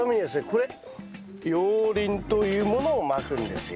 これ熔リンというものをまくんですよ。